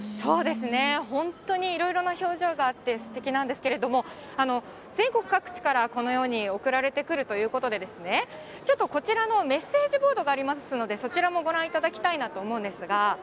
本当にいろいろな表情があってすてきなんですけれども、全国各地からこのように送られてくるということで、ちょっとこちらのメッセージボードがありますので、そちらもご覧いただきたいなと思うんですが。